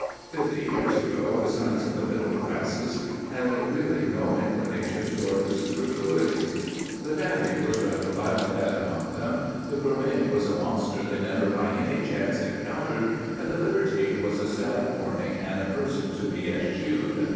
Fifty years ago the sons of the middle classes had really no inclination toward the superfluities. The dandy was rather laughed at among them, the gourmet was a monster they never by any chance encountered, and the libertine was a sad warning and a person to be eschewed.